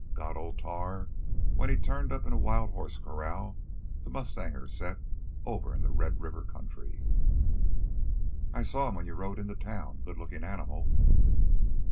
Got Old Tar when he turned up in a wild hoss corral th' mustangers set over in th' Red River country—" "I saw him when you rode into town. Good lookin' animal."